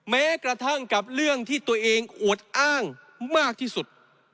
แม้กระทั่งกับเรื่องที่ตัวเองอวดอ้างมากที่สุด